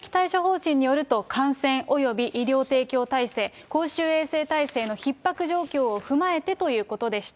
これまでの解除の考え方は、基本的対処方針によると、感染および医療提供体制、公衆衛生体制のひっ迫状況を踏まえてということでした。